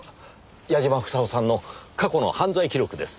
矢嶋房夫さんの過去の犯罪記録です。